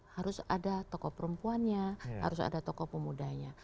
harus ada tokoh perempuannya harus ada tokoh pemudanya